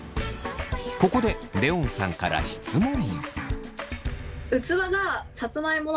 ここでレオンさんから質問。